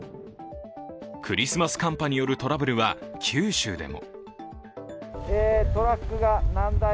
クリスマス寒波によるトラブルは九州でも。